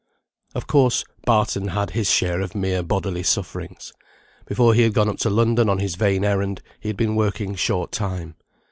Of course, Barton had his share of mere bodily sufferings. Before he had gone up to London on his vain errand, he had been working short time.